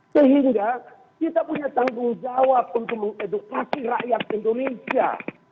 sehingga kita punya tanggung jawab untuk mengedukasi rakyat indonesia